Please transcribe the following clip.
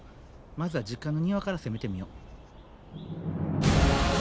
まずは実家の庭から攻めてみよ。